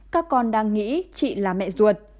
các con đang nghĩ chị là mẹ ruột